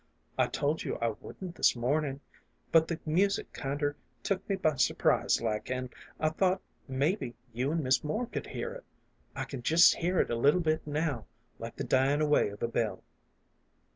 I told you I wouldn't this mornin', but the music kinder took me by surprise like, an' I thought maybe you an' Miss Moore could hear it. I can jest hear it a little bit now, like the dyin' away of a bell."